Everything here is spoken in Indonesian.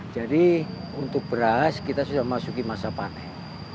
jadi untuk beras kita sudah memasuki masa panen